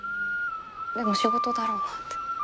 でも仕事だろうなって。